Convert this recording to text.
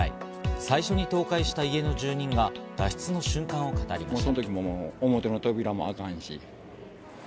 最初に倒壊した家の住人が脱出の瞬間を語りました。